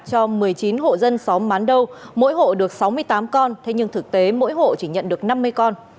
cho một mươi chín hộ dân xóm bán đâu mỗi hộ được sáu mươi tám con thế nhưng thực tế mỗi hộ chỉ nhận được năm mươi con